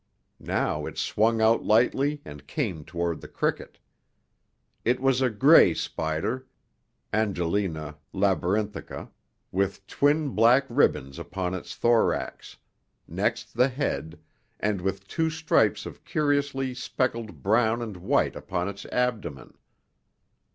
Now it swung out lightly and came toward the cricket. It was a gray spider (Agelena labyrinthica), with twin black ribbons upon its thorax, next the head, and with two stripes of curiously speckled brown and white upon its abdomen.